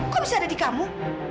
kok bisa ada di kamu